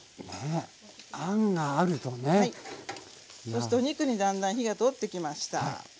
そしてお肉にだんだん火が通ってきました。